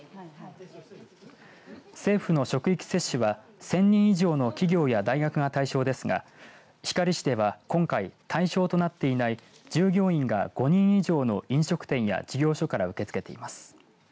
政府の職域接種は１０００人以上の企業や大学が対象ですが光市では今回対象となっていない従業員が５人以上の飲食店や事業所から受け付けています。